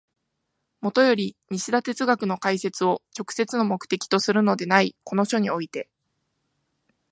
もとより西田哲学の解説を直接の目的とするのでないこの書において、